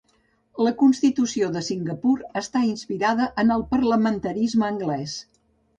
La constitució de Singapur està inspirada en el parlamentarisme anglès.